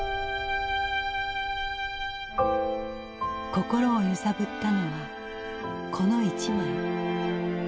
心を揺さぶったのはこの一枚。